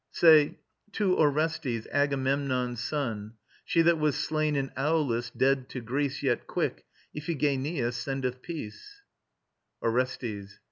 Say: "To Orestes, Agamemnon's son She that was slain in Aulis, dead to Greece Yet quick, Iphigenia sendeth peace:" ORESTES.